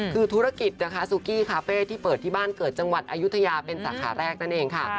คือธุรกิจนะคะซูกี้คาเฟ่ที่เปิดที่บ้านเกิดจังหวัดอายุทยาเป็นสาขาแรกนั่นเองค่ะ